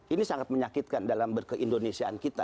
ini sangat menyakitkan dalam berkeindonesiaan kita